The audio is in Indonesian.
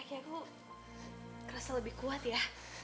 kerasa lebih kuat ya